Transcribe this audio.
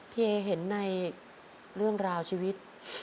เอเห็นในเรื่องราวชีวิต